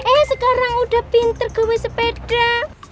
eh sekarang udah pinter gue sepeda